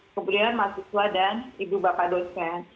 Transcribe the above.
kemudian mahasiswa dan ibu bapak dosen